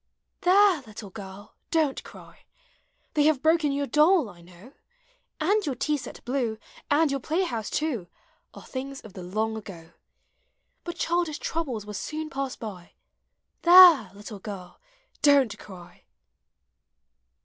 There! little girl, don't cry! They have broken your doll, I know; And your tea set blue, And your play house, too, Are things of the long ago; Hut childish troubles will soon pass by There! little girl, don't cry!